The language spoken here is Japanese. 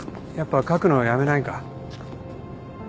やっぱ書くのやめないか？